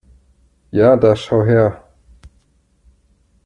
Ja da schau her!